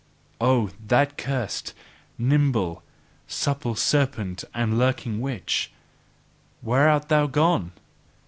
Oh, that cursed, nimble, supple serpent and lurking witch! Where art thou gone?